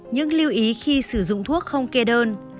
những lưu ý khi sử dụng thuốc không kê đơn